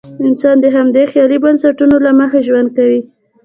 انسان د همدې خیالي بنسټونو له مخې ژوند کوي.